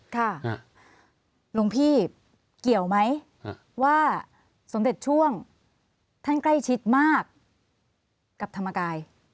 หลวงพี่เกี่ยวไหมว่าสมเด็จช่วงท่านใกล้ชิดมากกับธรรมกาย